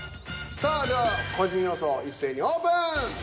さあでは個人予想一斉にオープン！